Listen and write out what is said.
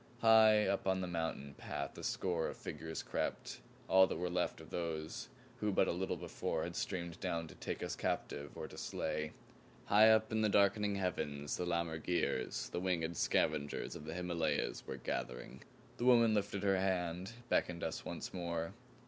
High up on the mountain path a score of figures crept, all that were left of those who but a little before had streamed down to take us captive or to slay. High up in the darkening heavens the lammergeiers, the winged scavengers of the Himalayas, were gathering. The woman lifted her hand, beckoned us once more.